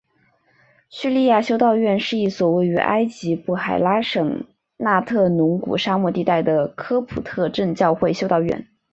叙利亚修道院是一所位于埃及布海拉省纳特隆谷沙漠地带的科普特正教会修道院。